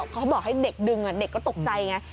เขาบอกให้เด็กดึงเด็กก็ตกใจไง